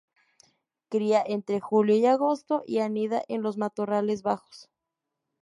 Cría entre julio y agosto, y anida en los matorrales bajos